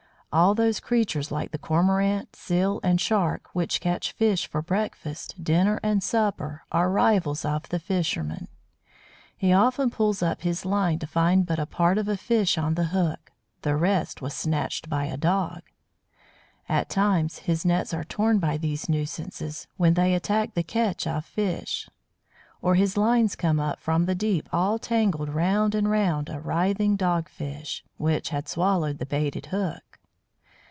All those creatures, like the Cormorant, Seal, and Shark, which catch fish for breakfast, dinner and supper, are rivals of the fisherman. He often pulls up his line to find but a part of a fish on the hook the rest was snatched by a "dog." At times his nets are torn by these nuisances, when they attack the "catch" of fish. Or his lines come up from the deep all tangled round and round a writhing Dog fish, which had swallowed the baited hook.